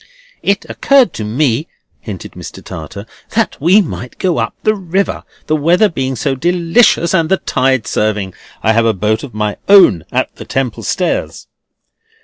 "It occurred to me," hinted Mr. Tartar, "that we might go up the river, the weather being so delicious and the tide serving. I have a boat of my own at the Temple Stairs."